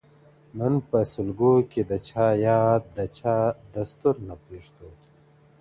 نن په سلگو كي د چا ياد د چا دستور نه پرېږدو.